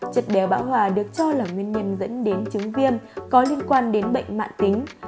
chất béo bão hòa được cho là nguyên nhân dẫn đến chứng viêm có liên quan đến bệnh mạng tính